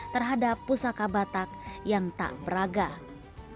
terhadap pusaka batak yang tak beragam